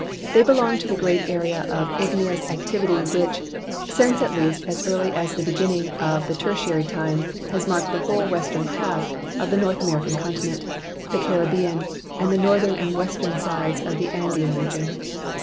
They belong to the great area of igneous activity which, since at least as earl\' as the beginning of Tertiary time, has marked the whole we.stern half of the North American continent, the Carib bean, and the northern and we.stern sides of the Andean region.